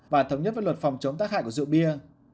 và thống nhất với luật phòng chống tác hại của rượu bia